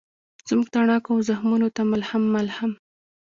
زموږ تڼاکو او زخمونوته ملهم، ملهم